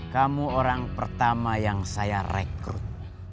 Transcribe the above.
kamu orang pertama yang saya rekrut